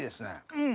うん！